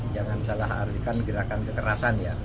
jangan salah artikan gerakan kekerasan ya